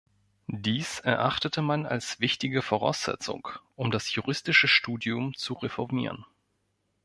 Dies erachtete man als wichtige Voraussetzung um das juristische Studium zu reformieren.